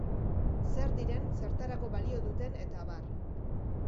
Zer diren, zertarako balio duten eta abar.